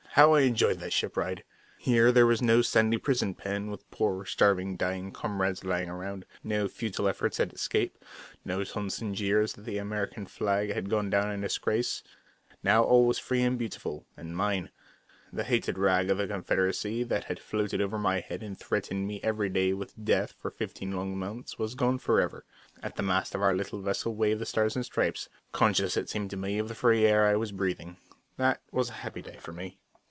How I enjoyed that ship ride! Here there was no sandy prison pen with poor, starving, dying comrades lying around; no futile efforts at escape; no taunts and jeers that the American flag had gone down in disgrace; now all was free and beautiful, and mine. The hated rag of the Confederacy that had floated over my head and threatened me every day with death for fifteen long months was gone forever. At the mast of our little vessel waved the Stars and Stripes, conscious, it seemed to me, of the free air I was breathing. That was a happy day for me.